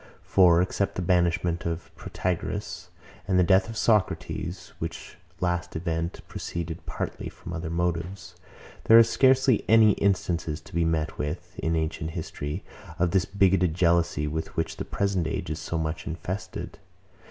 For, except the banishment of Protagoras, and the death of Socrates, which last event proceeded partly from other motives, there are scarcely any instances to be met with, in ancient history, of this bigotted jealousy, with which the present age is so much infested.